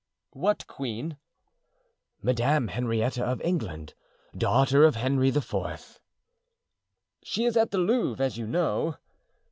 "What queen?" "Madame Henrietta of England, daughter of Henry IV." "She is at the Louvre, as you know."